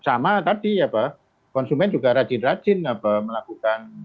sama tadi ya pak konsumen juga rajin rajin melakukan